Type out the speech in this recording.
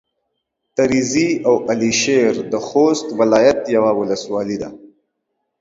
تريزي او على شېر د خوست ولايت يوه ولسوالي ده.